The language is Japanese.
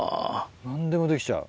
何でもできちゃう。